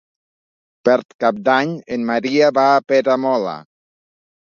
Per Cap d'Any en Maria va a Peramola.